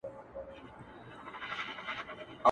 لاس یې پورته د غریب طوطي پر سر کړ؛